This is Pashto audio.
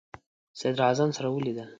صدراعظم سره ولیدل.